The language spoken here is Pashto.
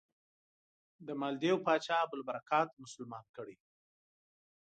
د مالدیو پاچا ابوالبرکات مسلمان کړی.